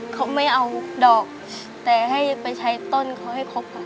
เขาไม่เอาดอกแต่ให้ไปใช้ต้นเขาให้ครบค่ะ